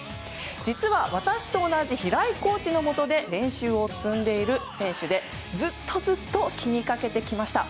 実は、私と同じ平井コーチのもとで練習を積んでいる選手でずっとずっと気にかけてきました。